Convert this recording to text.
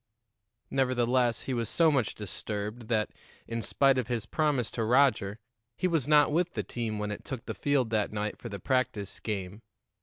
Nevertheless, he was so much disturbed that, in spite of his promise to Roger, he was not with the team when it took the field that night for the practice game.